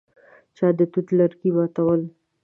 چا د توت لرګي ماتول.